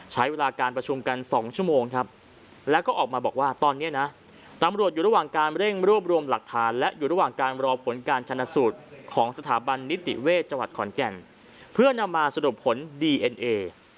ใช้เวลาการประชุมกัน๒ชั่วโมงครับแล้วก็ออกมาบอกว่าตอนนี้นะตำรวจอยู่ระหว่างการเร่งรวบรวมหลักฐานและอยู่ระหว่างการรอผลการชนะสูตรของสถาบันนิติเวชจังหวัดขอนแก่นเพื่อนำมาสรุปผลดีเอ็นเอ